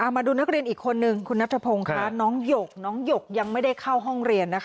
มาดูนักเรียนอีกคนหนึ่งคุณนัฐพงค์น้องหยกยังไม่ได้เข้าห้องเรียน